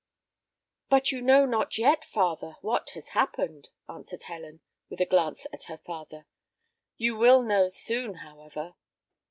"But you know not yet, father, what has happened," answered Helen, with a glance at her father: "you will know soon, however."